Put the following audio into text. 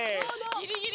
ギリギリ。